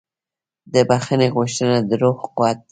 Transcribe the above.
د بښنې غوښتنه د روح قوت ده.